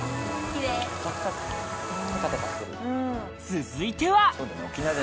続いては！